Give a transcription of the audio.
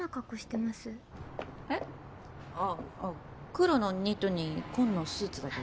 黒のニットに紺のスーツだけど。